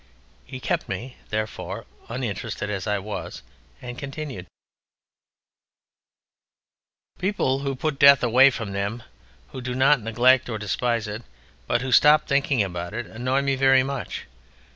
He kept me, therefore, uninterested as I was, and continued: "People who put Death away from them, who do not neglect or despise it but who stop thinking about it, annoy me very much.